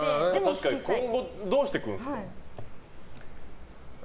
確かに今後どうしていくんですか？